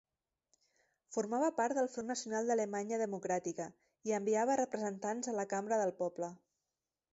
Formava part del Front Nacional d'Alemanya Democràtica, i enviava representants a la Cambra del Poble.